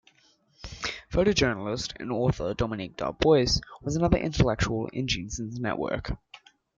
Photojournalist and author Dominique Darbois was another intellectual in Jeanson's network.